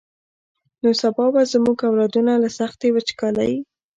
نو سبا به زمونږ اولادونه له سختې وچکالۍ.